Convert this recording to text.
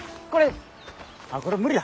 あっこれ無理だ。